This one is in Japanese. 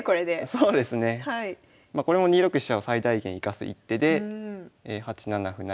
まこれも２六飛車を最大限生かす一手で８七歩成。